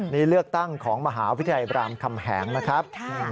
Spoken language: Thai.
นี่เลือกตั้งของมหาวิทยาลัยบรามคำแหงนะครับ